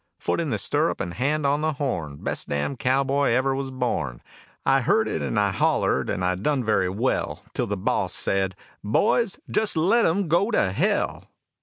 Foot in the stirrup and hand on the horn, Best damned cowboy ever was born. I herded and I hollered and I done very well, Till the boss said, "Boys, just let 'em go to hell."